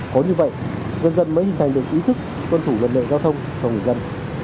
có như vậy dân dân mới hình thành được ý thức tuân thủ vấn đề giao thông của người dân